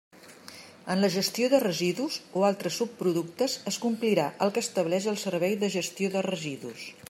En la gestió de residus o altres subproductes es complirà el que estableix el Servei de Gestió de Residus.